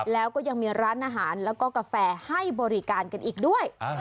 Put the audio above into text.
แล้วก็ยังมีร้านอาหารแล้วก็กาแฟให้บริการกันอีกด้วย